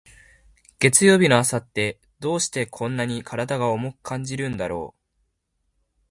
月曜日の朝って、どうしてこんなに体が重く感じるんだろう。